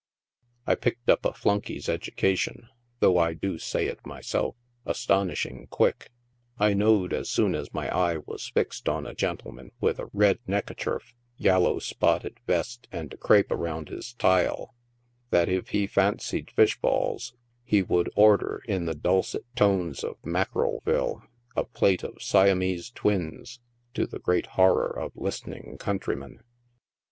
I picked up a flunkey's education, though I do say it myself, astonishing quick ; I knowed, as soon as my eye was fixed on a gentleman with a red neckacherf, yaller spotted vest and a crape around his tile, that if he fancied fish balls, he would order, in the dulcet tones of Mackerelville, a plate of Siamese Twins, to the great horror of listening countrymen.